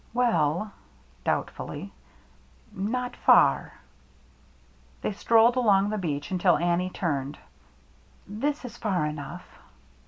" Well," doubtfully, " not far." They strolled along the beach until Annie turned. " This is far enough."